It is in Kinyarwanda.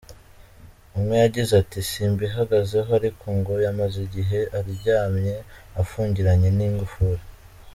Umwe yagize ati “Simbihagazeho ariko ngo yamaze igihe aryamye, afungiranye n’ingufuri.